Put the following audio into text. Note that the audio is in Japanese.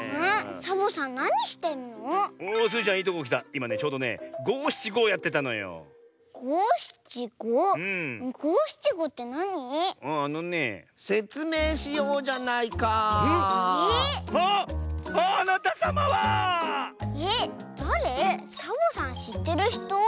サボさんしってるひと？